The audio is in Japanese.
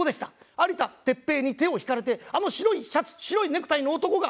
有田哲平に手を引かれてあの白いシャツ白いネクタイの男がやって来たんです。